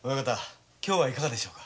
今日はいかがでしょうか？